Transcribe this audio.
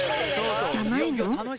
じゃないの。